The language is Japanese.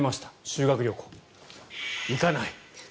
修学旅行、行かない。